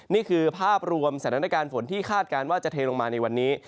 นี่คือภาพรวมสถานการณ์ฝนที่คาดการณ์ว่าจะเทลงมาในวันนี้